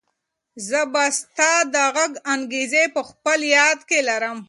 زه به ستا د غږ انګازې په خپل یاد کې لرم.